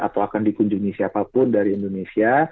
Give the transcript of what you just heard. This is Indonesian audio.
atau akan dikunjungi siapapun dari indonesia